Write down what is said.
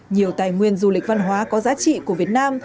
nhiều tài nguyên du lịch văn hóa có giá trị của việt nam